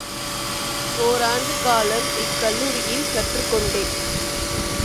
ஒராண்டு காலம் இக்கல்லூரியில் கற்றுக் கொண்டேன்.